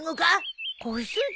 小杉！？